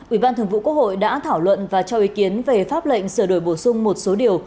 ủy ban thường vụ quốc hội đã thảo luận và cho ý kiến về pháp lệnh sửa đổi bổ sung một số điều